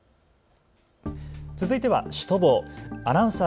続いてはシュトボー。